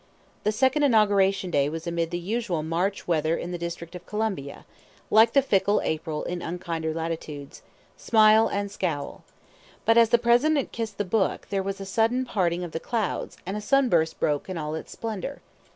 The second inauguration day was amid the usual March weather in the District of Columbia, like the fickle April in unkinder latitudes: smile and scowl. But as the President kissed the book there was a sudden parting of the clouds, and a sunburst broke in all its splendor.